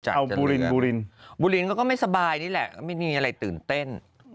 เอาบูรินบูรินบูรินก็ไม่สบายนี่แหละไม่มีอะไรตื่นเต้น